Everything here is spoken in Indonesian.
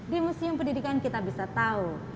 di museum pendidikan kita bisa tahu